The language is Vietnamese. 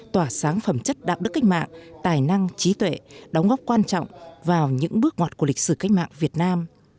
tỏa sáng phẩm chất đạo đức cách mạng tài năng trí tuệ đóng góp quan trọng vào những bước ngoặt của lịch sử cách mạng việt nam